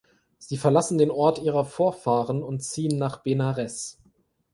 Sie verlassen den Ort ihrer Vorfahren und ziehen nach Benares.